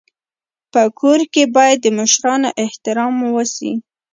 په کور کي باید د مشرانو احترام وسي.